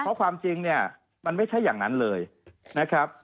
เพราะความจริงเนี่ยมันไม่ใช่อย่างนั้นเลยนะครับ